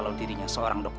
saya juga ingin mencari saskia